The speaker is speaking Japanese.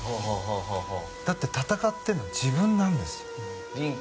だって闘ってるの自分なんですよ。